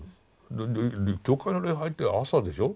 教会の礼拝って朝でしょ。